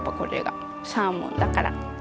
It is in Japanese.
サーモンだから。